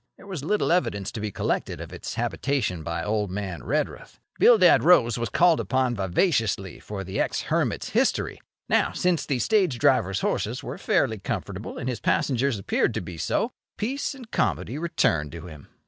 There was little evidence to be collected of its habitation by old man Redruth. Bildad Rose was called upon vivaciously for the ex hermit's history. Now, since the stage driver's horses were fairly comfortable and his passengers appeared to be so, peace and comity returned to him.